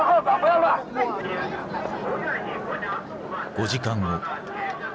５時間後。